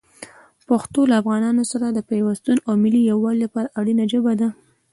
پښتو له افغانانو سره د پیوستون او ملي یووالي لپاره اړینه ژبه ده.